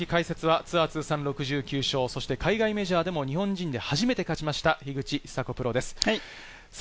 放送席解説はツアー通算６９勝、そして海外メジャーでも、日本人で初めて勝ちました、樋口久子プロです。